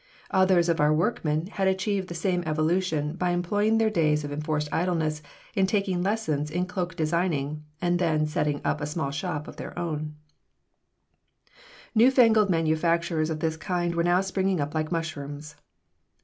Others of our workmen had achieved the same evolution by employing their days of enforced idleness in taking lessons in cloak designing, and then setting up a small shop of their own Newfangled manufacturers of this kind were now springing up like mushrooms.